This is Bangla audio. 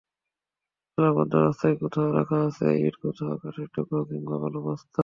জলাবদ্ধ রাস্তার কোথাও রাখা আছে ইট, কোথাও কাঠের টুকরো কিংবা বালুর বস্তা।